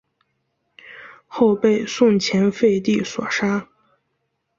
后被宋前废帝所杀。